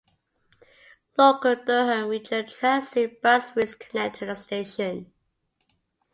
Local Durham Region Transit bus routes connect to the station.